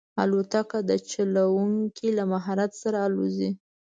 الوتکه د چلونکي له مهارت سره الوزي.